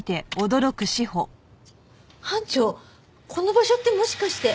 班長この場所ってもしかして。